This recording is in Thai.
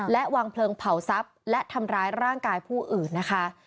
และวางเพลิงเผาทรัพย์และทำร้ายร่างกายผู้อื่นนะคะ